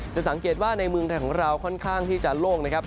สังเกตว่าในเมืองไทยของเราค่อนข้างที่จะโล่งนะครับ